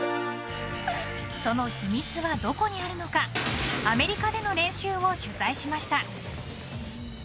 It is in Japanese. その秘密はどこにあるのかアメリカでの練習を取材しました。